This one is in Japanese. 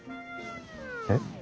えっ？